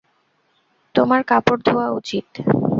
তোমার কাপড় ধোঁয়া উচিত।